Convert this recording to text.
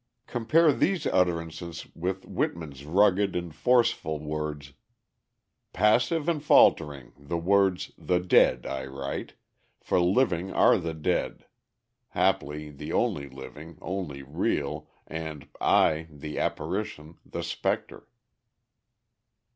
Compare these utterances with Whitman's rugged and forceful words: "Passive and faltering, The words, the Dead, I write, For living are the Dead, (Haply the only living, only real, And I, the apparition, the spectre.)"